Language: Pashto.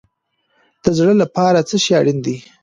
د زړه لپاره څه شی اړین دی؟